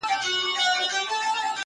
• په جهان کي به خوره وره غوغا سي,